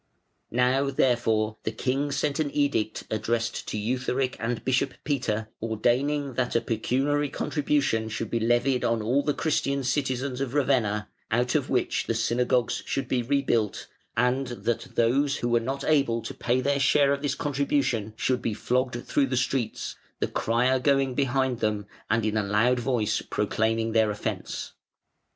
Now, therefore, the king sent an edict addressed to Eutharic and Bishop Peter, ordaining that a pecuniary contribution should be levied on all the Christian citizens of Ravenna, out of which the synagogues should be rebuilt, and that those who were not able to pay their share of this contribution should be flogged through the streets, the crier going behind them and in a loud voice proclaiming their offence.